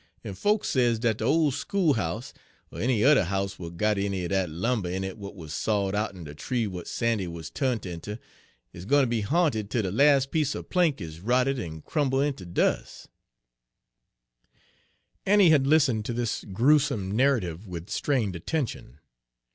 En folks sez dat de ole school'ouse, er any yuther house w'at got any er dat lumber in it w'at wuz sawed out'n de tree w'at Sandy wuz turnt inter, is gwine ter be ha'nted tel de las' piece er plank is rotted en crumble' inter dus'." Annie had listened to this gruesome narrative with strained attention.